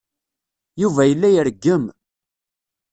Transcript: Yuba yella ireggem.